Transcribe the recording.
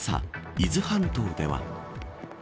伊豆半島では。